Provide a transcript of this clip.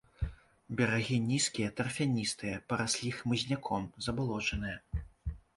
Берагі нізкія тарфяністыя, параслі хмызняком, забалочаныя.